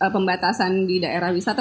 pembatasan di daerah wisata